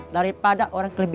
daripada orang kelebih